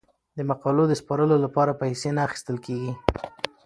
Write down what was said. د مقالو د سپارلو لپاره پیسې نه اخیستل کیږي.